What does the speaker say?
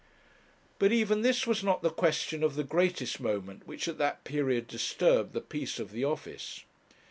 But even this was not the question of the greatest moment which at that period disturbed the peace of the office.